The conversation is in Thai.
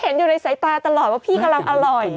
เห็นอยู่ในสายตาตลอดว่าพี่กำลังอร่อย